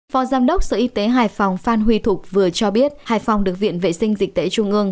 phó giám đốc sở y tế hải phòng phan huy thục vừa cho biết hải phòng được viện vệ sinh dịch tễ trung ương